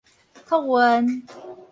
托運